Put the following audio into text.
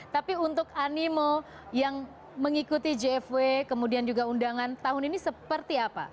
tapi untuk animo yang mengikuti jfw kemudian juga undangan tahun ini seperti apa